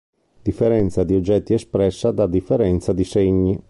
Differenza di oggetti espressa da differenza di segni".